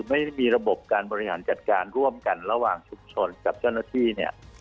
ไม่มีระบบการบริหารจัดการร่วมกันระหว่างชุมชนกับเจ้าหน้าที่เนี่ย